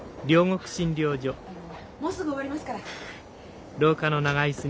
ああのもうすぐ終わりますから。